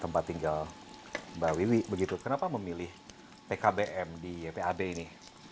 tempat tinggal mbak wiwi begitu kenapa memilih pkbm di ypab ini